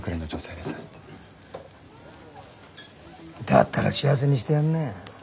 だったら幸せにしてやんなよ。